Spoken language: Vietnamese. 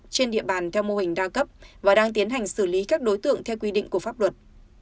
trên địa bàn theo mô hình đa cấp và đang tiến hành xử lý các đối tượng theo quy định của pháp luật